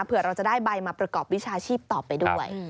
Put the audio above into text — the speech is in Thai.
เผื่อเราจะได้ใบมาประกอบวิชาชีพต่อไปด้วย